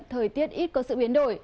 thời tiết ít có sự biến đổi